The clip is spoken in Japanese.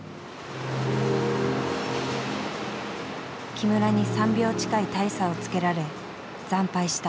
木村に３秒近い大差をつけられ惨敗した。